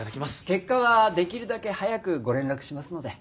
結果はできるだけ早くご連絡しますので。